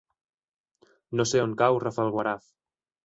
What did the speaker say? No sé on cau Rafelguaraf.